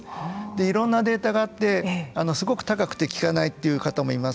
いろんなデータがあってすごく高くて効かないという方もいます。